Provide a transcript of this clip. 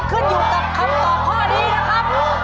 ขึ้นอยู่กับคำตอบข้อนี้นะครับ